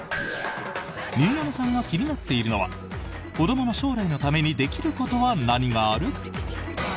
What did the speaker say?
新山さんが気になっているのは子どもの将来のためにできることは何がある？